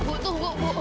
bu tunggu bu